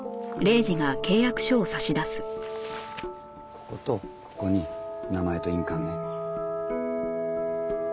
こことここに名前と印鑑ね。